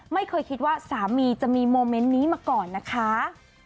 ไม่เคยคิดว่าสามีจะมีโมเมนต์นี้มาก่อนนะคะ